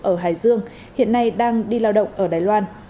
ở hải dương hiện nay đang đi lao động ở đài loan